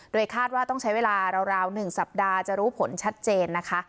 โดยคาดว่าต้องใช้เวลาราว๑สัปดาห์จะรู้ผลชัดเจนนะคะ